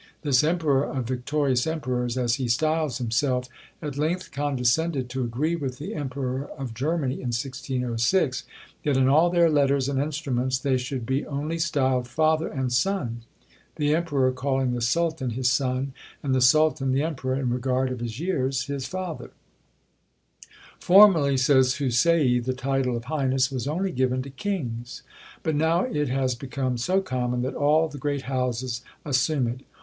This "emperor of victorious emperors," as he styles himself, at length condescended to agree with the emperor of Germany, in 1606, that in all their letters and instruments they should be only styled father and son: the emperor calling the sultan his son; and the sultan the emperor, in regard of his years, his father. Formerly, says Houssaie, the title of highness was only given to kings; but now it has become so common that all the great houses assume it.